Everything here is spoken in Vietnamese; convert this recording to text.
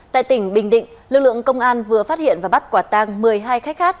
tại tỉnh bình định lực lượng công an vừa phát hiện và bắt quả tang một mươi hai khách hát